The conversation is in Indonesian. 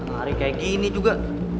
hari kayak gini juga